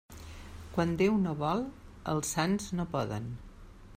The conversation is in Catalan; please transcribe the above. Quan Déu no vol, els sants no poden.